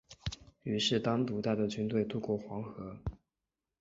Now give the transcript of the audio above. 于是单独带着军队渡过黄河。